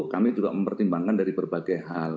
kami juga mempertimbangkan dari berbagai hal